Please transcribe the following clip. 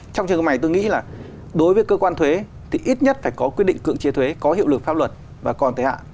trong trường hợp này tôi nghĩ là đối với cơ quan thuế thì ít nhất phải có quyết định cưỡng chế thuế có hiệu lực pháp luật và còn thời hạn